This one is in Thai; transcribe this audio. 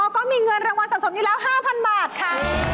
ก็มีเงินรางวัลสะสมอยู่แล้ว๕๐๐บาทค่ะ